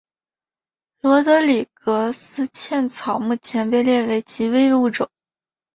罗德里格斯茜草目前被列为极危物种。